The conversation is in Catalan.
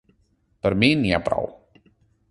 Per mi n’hi ha prou.